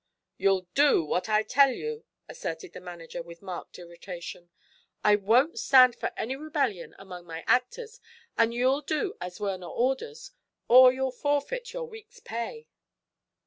"You'll do what I tell you!" asserted the manager, with marked irritation. "I won't stand for any rebellion among my actors, and you'll do as Werner orders or you'll forfeit your week's pay."